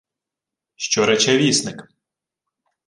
— Що рече вісник?